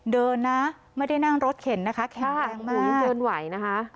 เดินนะไม่ได้นั่งรถเข็นนะคะแข็งแรงมาก